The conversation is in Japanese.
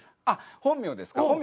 あっ本名ですか？